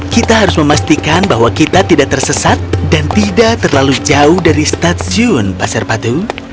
kita harus memastikan bahwa kita tidak tersesat dan tidak terlalu jauh dari stadion pasarpatu